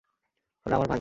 ওরা আমার ভাই।